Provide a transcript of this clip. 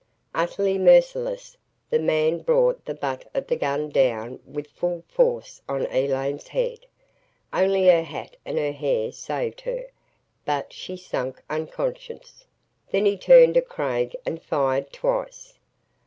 Utterly merciless, the man brought the butt of the gun down with full force on Elaine's head. Only her hat and hair saved her, but she sank unconscious. Then he turned at Craig and fired twice.